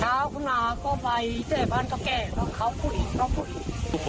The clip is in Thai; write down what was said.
เช้าคุณนาก็ไปเจฟันเทาะแก้